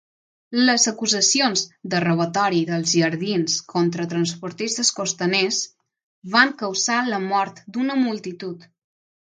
Les acusacions de robatori dels jardins contra transportistes costaners van causar la mort d'una multitud.